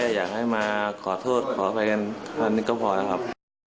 อยากให้มาขอโทษขออภัยกันอันนี้ก็พอแล้วครับ